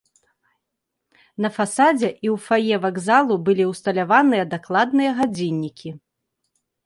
На фасадзе і ў фае вакзалу былі ўсталяваныя дакладныя гадзіннікі.